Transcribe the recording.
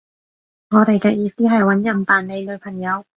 我哋嘅意思係搵人扮你女朋友